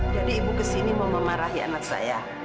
jadi ibu kesini mau memarahi anak saya